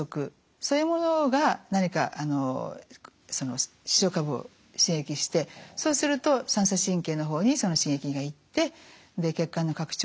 そういうものが何かあの視床下部を刺激してそうすると三叉神経の方にその刺激が行って血管の拡張